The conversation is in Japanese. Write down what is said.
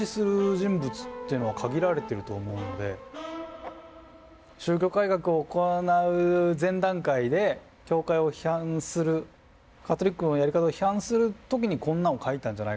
人物っていうのは限られてると思うんで宗教改革を行う前段階で教会を批判するカトリックのやり方を批判する時にこんなんを描いたんじゃないかなと。